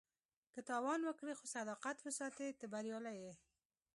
که تاوان وکړې خو صداقت وساتې، ته بریالی یې.